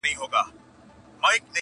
هم پخپله څاه کینو هم پکښي لوېږو!.